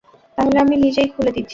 তাহলে, আমি নিজেই খুলে দিচ্ছি।